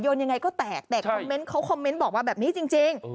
ยังไงก็แตกแต่คอมเมนต์เขาคอมเมนต์บอกว่าแบบนี้จริง